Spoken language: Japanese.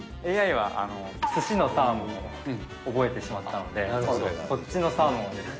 ＡＩはすしのサーモンを覚えてしまったので、こっちのサーモンを。